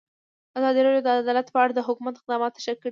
ازادي راډیو د عدالت په اړه د حکومت اقدامات تشریح کړي.